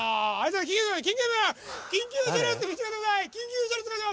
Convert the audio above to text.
・緊急車両通過させてください。